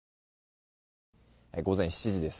午前７時です。